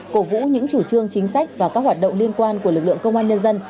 cổ vũ những chủ trương chính sách và các hoạt động liên quan của lực lượng công an nhân dân